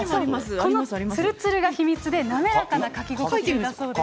このつるつるが秘密で滑らかな書き心地だそうです。